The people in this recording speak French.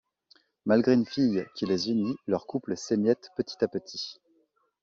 Malgré une fille qui les unit, leur couple s'émiette petit à petit.